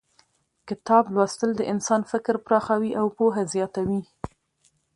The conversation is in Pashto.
کتاب لوستل د انسان فکر پراخوي او پوهه زیاتوي